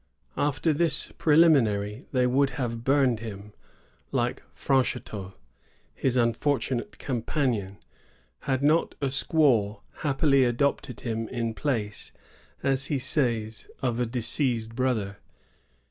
After this prelimi 1663.] PEACE CONCLUDED. 61 nary, they wotild have burned him, like Franchetoti his unfortunate companion, had not a squaw happily adopted him in place, as he says, of a deceased brother.